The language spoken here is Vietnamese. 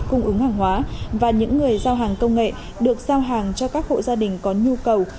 cung ứng hàng hóa và những người giao hàng công nghệ được giao hàng cho các hộ gia đình có nhu cầu